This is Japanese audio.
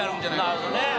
なるほどね！